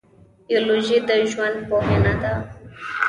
بیولوژي د ژوند پوهنه ده